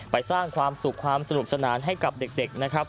สร้างความสุขความสนุกสนานให้กับเด็กนะครับ